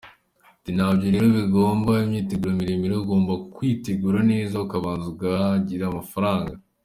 Ati “Nabyo rero bigomba imyiteguro miremire, ugomba kwitegura neza, ukabanza ukagira amafaranga.